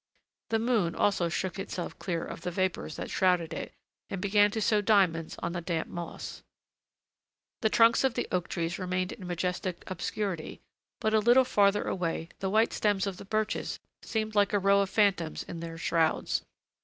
The moon also shook itself clear of the vapors that shrouded it and began to sow diamonds on the damp moss. The trunks of the oak trees remained in majestic obscurity; but, a little farther away, the white stems of the birches seemed like a row of phantoms in their shrouds.